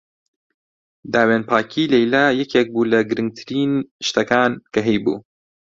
داوێنپاکیی لەیلا یەکێک بوو لە گرنگترین شتەکان کە هەیبوو.